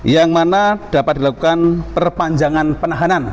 yang mana dapat dilakukan perpanjangan penahanan